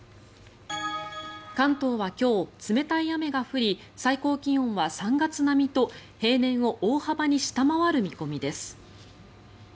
関東は今日、冷たい雨が降り最高気温は３月並みと平年を大幅に下回る見込みです。